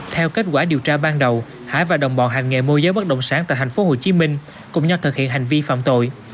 theo kết quả điều tra ban đầu hải và đồng bọn hành nghề môi giới bất động sản tại tp hcm cùng nhau thực hiện hành vi phạm tội